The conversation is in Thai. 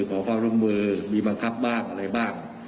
ขอความร่วมมือมีบังคับบ้างอะไรบ้าง